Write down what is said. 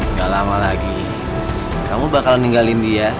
gak lama lagi kamu bakal ninggalin dia